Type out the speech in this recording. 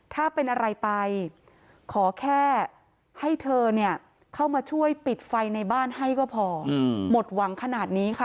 ถ้าเป็นอะไรไปขอแค่ให้เธอเนี่ยเข้ามาช่วยปิดไฟในบ้านให้ก็พอหมดหวังขนาดนี้ค่ะ